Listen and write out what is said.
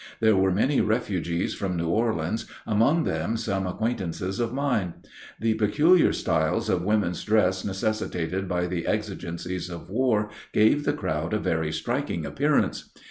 There were many refugees from New Orleans, among them some acquaintances of mine. The peculiar styles of [women's] dress necessitated by the exigencies of war gave the crowd a very striking appearance.